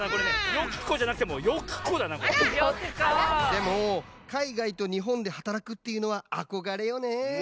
でもかいがいとにほんではたらくっていうのはあこがれよね。